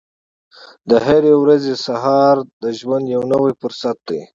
د هرې ورځې هر سهار د ژوند یو نوی فرصت دی.